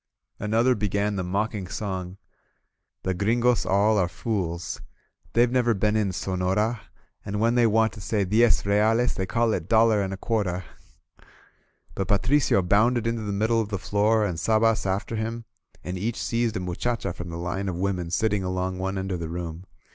Another began the mocking song: The Gringos all are fools^ They^ve never been m Sonora^ And when they want to say: ^Diez Reales/ They call it ^Dollar an* a qtiarta* .• j> But Patricio bounded into the middle of the floor, and Sabas after him; each seized a muchacha from the line of women sitting along one end of the room.